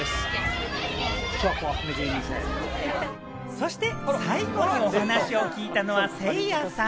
そして最後にお話を聞いたのは、せいやさん。